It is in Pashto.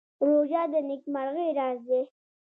روژه د نېکمرغۍ راز دی.